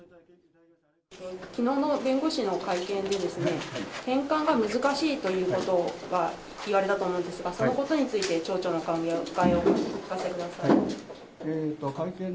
きのうの弁護士の会見で、返還が難しいということが言われたと思うんですが、そのことについて町長のお考えをお聞かせください。